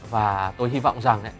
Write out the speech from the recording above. và tôi hy vọng rằng